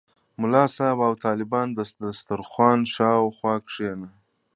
ملا صاحب او طالبان د دسترخوان شاوخوا کېني.